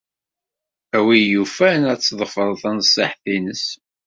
A win yufan ad tḍefreḍ tanṣiḥt-nnes.